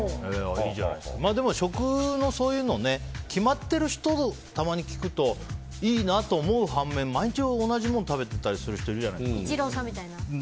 でも、食のそういうのが決まってる人、たまに聞くといいなと思う反面毎日同じもの食べてる人いるじゃないですか。